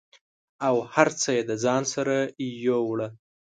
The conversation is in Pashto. او هر څه یې د ځان سره یووړه